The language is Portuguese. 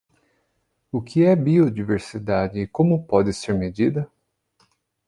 O que é biodiversidade e como pode ser medida?